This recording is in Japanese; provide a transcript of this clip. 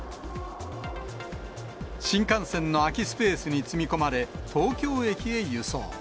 新幹線の空きスペースに積み込まれ、東京駅へ輸送。